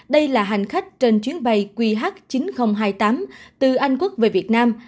đây là hành khách trên chuyến bay qh chín nghìn hai mươi tám từ anh quốc về việt nam